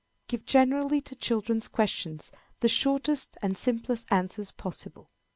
Give generally to children's questions the shortest and simplest answers possible.